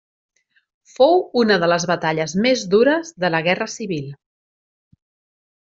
Fou una de les batalles més dures de la Guerra Civil.